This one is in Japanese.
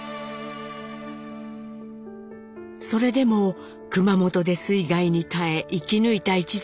それでも熊本で水害に耐え生き抜いた一族の末裔。